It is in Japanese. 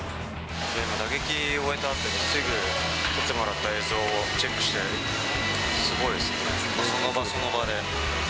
打撃終えたあと、すぐ撮ってもらった映像をチェックして、すごいですね、その場、その場で。